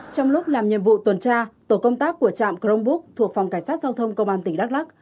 trong lúc làm nhiệm vụ tuần tra tổ công tác của trạm grong búc thuộc phòng cảnh sát giao thông công an tỉnh đắk lắc